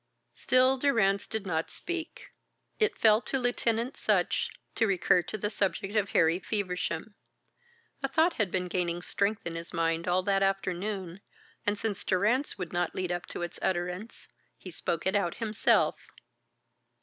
Still Durrance did not speak. It fell to Lieutenant Sutch to recur to the subject of Harry Feversham. A thought had been gaining strength in his mind all that afternoon, and since Durrance would not lead up to its utterance, he spoke it out himself.